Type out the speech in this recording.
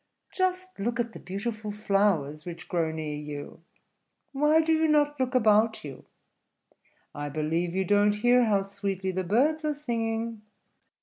"Just look at the beautiful flowers which grow near you; why do you not look about you? I believe you don't hear how sweetly the birds are singing.